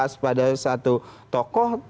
sepada satu tokoh